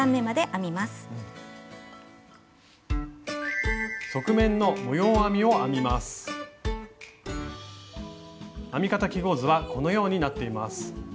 編み方記号図はこのようになっています。